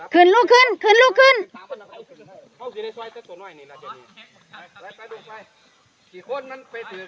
ลูกขึ้นขึ้นลูกขึ้น